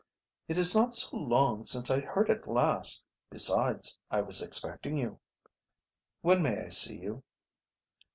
"It is not so long since I heard it last. Besides, I was expecting you." "When may I see you?"